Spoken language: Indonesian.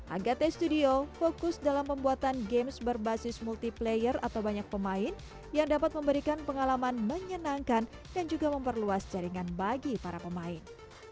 agate studio fokus dalam pembuatan games berbasis multiplayer atau banyak pemain yang dapat memberikan pengalaman menyenangkan dan juga memperluas jaringan bagi para pemain